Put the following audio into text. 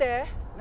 何？